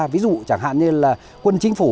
ví dụ chẳng hạn như là quân chính phủ